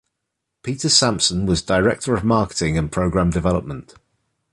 Peter Samson was director of marketing and program development.